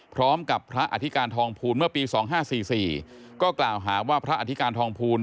พร้อมกับพระอธิการทองภูลเมื่อปี๒๕๔๔ก็กล่าวหาว่าพระอธิการทองภูล